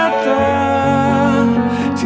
saya tak berupaya